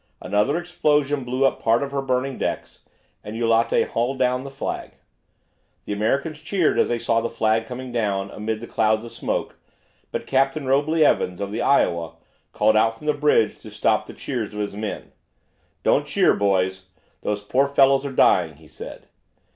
Another explosion blew up part of her burning decks, and Eulate hauled down his flag. The Americans cheered as they saw the flag come down amid the clouds of smoke, but Captain Robley Evans, of the "Iowa," called out from the bridge to stop the cheers of his men. "Don't cheer, boys. Those poor fellows are dying," he said.